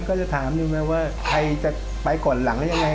ก็จะถามแม่ว่าใครจะไปก่อนหลังแล้วยังไง